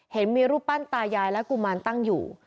เห็นมีรูปปั้นตายายและกุมารตั้งอยู่